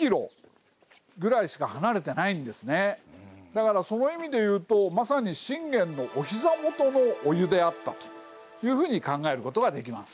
だからその意味でいうとまさに信玄のお膝元のお湯であったというふうに考えることができます。